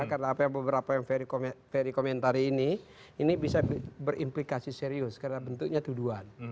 karena beberapa yang ferry komentar ini ini bisa berimplikasi serius karena bentuknya tuduhan